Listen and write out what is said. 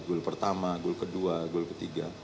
goal pertama goal kedua goal ketiga